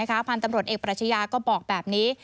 พันธุ์ตำรวจเอกปรัชญาก็บอกแบบนี้